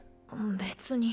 別に。